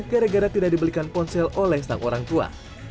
gara gara tidak dibelikan ponsel oleh sang orang tua